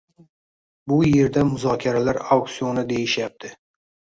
Bu yerda, muzokarlar auksioni deyishyapti.